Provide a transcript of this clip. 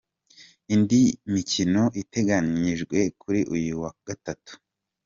Indi mikino iteganyijwe kuri uyu wa gatatu :.